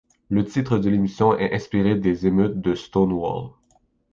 Le titre de l'émission est inspiré des émeutes de Stonewall.